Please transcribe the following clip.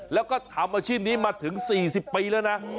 แล้วก็ทำอาชีพนี้มาถึงสี่สิบปีแล้วนะอืม